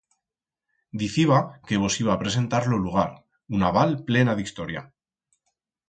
Diciba que vos iba a presentar lo lugar, una val plena d'historia.